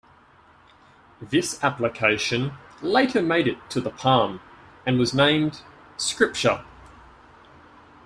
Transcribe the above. This application later made it to the Palm and was named Scripture.